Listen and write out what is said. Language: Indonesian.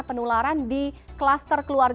penularan di klaster keluarga